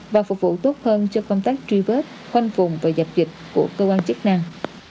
và phục vụ tốt hơn cho công tác truy vết khoanh vùng và dập dịch của cơ quan chức năng